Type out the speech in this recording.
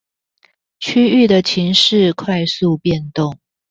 區域的情勢快速變動